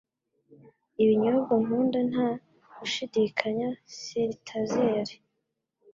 Ibinyobwa nkunda nta gushidikanya seltzer.